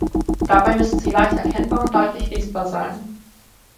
Dabei müssen sie leicht erkennbar und deutlich lesbar sein.